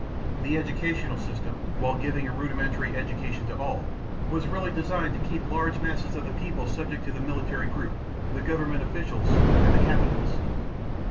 The educational system, while giving a rudimentary education to all, was really designed to keep large masses of the people subject to the military group, the government officials, and the capitalists.